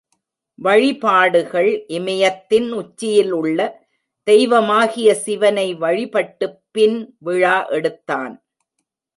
வழிபாடுகள் இமயத்தின் உச்சியில் உள்ள தெய்வமாகிய சிவனை வழிபட்டுப் பின் விழா எடுத்தான்.